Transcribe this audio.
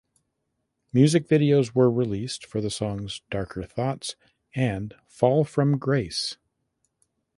Music videos were released for the songs "Darker Thoughts" and "Fall from Grace".